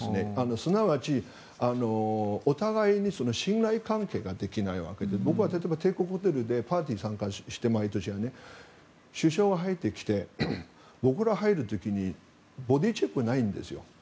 すなわちお互いに信頼関係ができないわけで僕は例えば帝国ホテルで毎年パーティーに参加していますが首相が入ってきて僕ら、入る時にボディーチェックないんですよ。